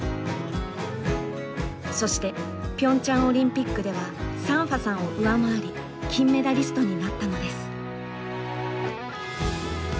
そしてピョンチャンオリンピックではサンファさんを上回り金メダリストになったのです。